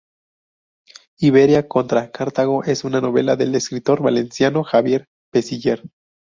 Iberia contra Cartago es una novela del escritor valenciano Javier Pellicer.